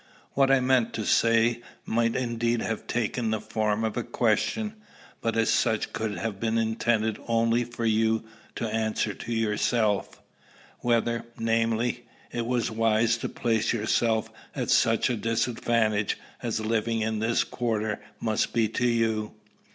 What I meant to say might indeed have taken the form of a question, but as such could have been intended only for you to answer to yourself, whether, namely, it was wise to place yourself at such a disadvantage as living in this quarter must be to you."